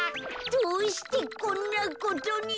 どうしてこんなことに。